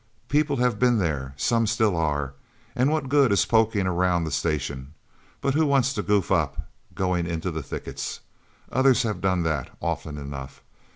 "People have been there some still are. And what good is poking around the Station? But who wants to goof up, going into the thickets? Others have done that, often enough.